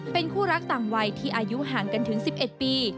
เป็นคู่รักต่างวัยที่อายุห่างกันถึง๑๑ปี